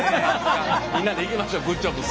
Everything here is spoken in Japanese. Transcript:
みんなでいきましょうグッジョブ。